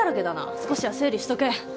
少しは整理しとけ。